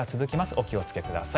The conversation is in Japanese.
お気をつけください。